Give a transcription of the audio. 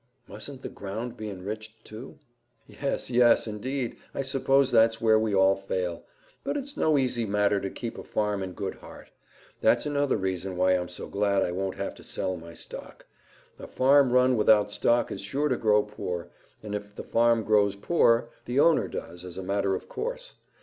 "Mustn't the ground be enriched, too?" "Yes, yes indeed; I suppose that's where we all fail. But it's no easy matter to keep a farm in good heart. That's another reason why I'm so glad I won't have to sell my stock. A farm run without stock is sure to grow poor, and if the farm grows poor, the owner does as a matter of course.